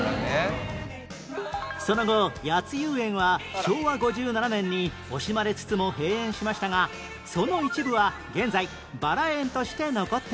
その後谷津遊園は昭和５７年に惜しまれつつも閉園しましたがその一部は現在バラ園として残っています